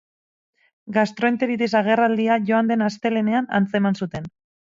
Gastroenteritis agerraldia joan den astelehenean antzeman zuten.